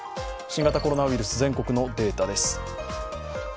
新型コロナウイルス、全国のデータです。